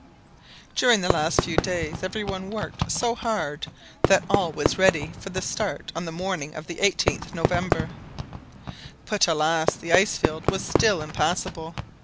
During the last few days every one worked so hard that all was ready for the start on the morning of the 18th November. But, alas! the ice field was still impassable.